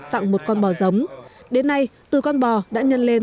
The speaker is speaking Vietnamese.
tặng một con bò giống đến nay từ con bò đã nhân lên